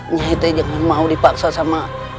nyai saya jangan mau dipaksa sama